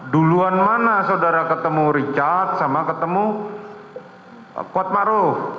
duluan mana saudara ketemu richard sama ketemu kuat maruf